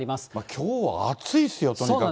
きょうは暑いっすよ、とにかく。